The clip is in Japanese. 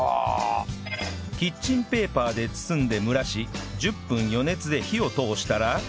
キッチンペーパーで包んで蒸らし１０分余熱で火を通したら